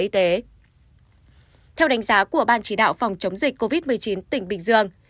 theo đánh giá của ban chỉ đạo phòng chống dịch covid một mươi chín tỉnh bình dương